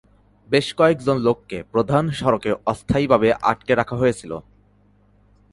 বেশ কয়েকজন লোককে প্রধান সড়কে অস্থায়ীভাবে আটকে রাখা হয়েছিল।